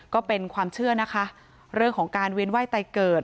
ก็เป็นความเชื่อนะคะเรื่องของการเวียนไหว้ไตเกิด